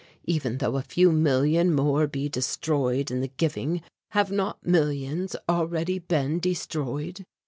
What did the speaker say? Even though a few million more be destroyed in the giving have not millions already been destroyed?